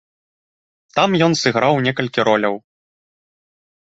Там ён сыграў некалькі роляў.